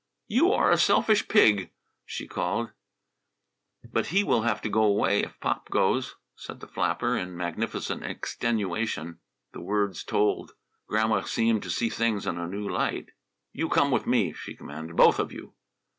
"You are a selfish little pig!" she called. "But he will have to go away, if Pops goes," said the flapper, in magnificent extenuation. The words told. Grandma seemed to see things in a new light. "You come with me," she commanded; "both of you."